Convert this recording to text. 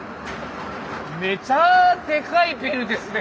めちゃデカいビルですね。